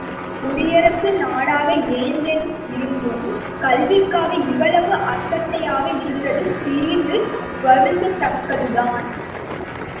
குடியரசு நாடாக ஏதென்ஸ் இருந்தும், கல்விக்காக இவ்வளவு அசட்டையாக இருந்தது சிறிது வருந்தத்தக்கதுதான்.